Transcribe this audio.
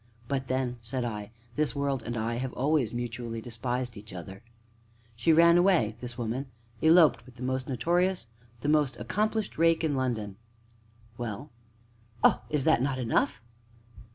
"But then," said I, "this world and I have always mutually despised each other." "She ran away, this woman eloped with the most notorious, the most accomplished rake in London." "Well?" "Oh! is not that enough?"